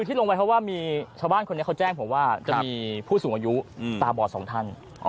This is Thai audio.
ที่ลงไปเพราะว่ามีชาวบ้านคนนี้เขาแจ้งผมว่าจะมีผู้สูงอายุตาบอดสองท่าน